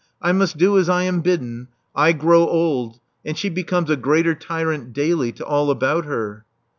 I must do as I am bidden. I grow old; and she becomes a greater tyrant daily to all about her."